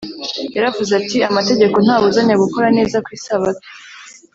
yaravuze ati, “amategeko ntabuzanya gukora neza ku isabato